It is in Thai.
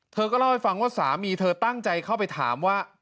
เธอก็เล่าให้ฟังว่าสามีเธอตั้งใจเข้าไปถามว่า